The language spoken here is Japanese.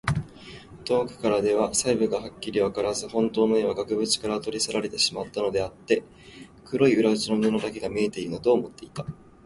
遠くからでは細部がはっきりわからず、ほんとうの絵は額ぶちから取り去られてしまったのであって、黒い裏打ちの布だけが見えているのだ、と思っていた。